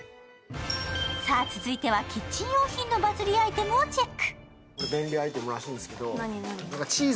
続いてはキッチングッズのバズリアイテムもチェック。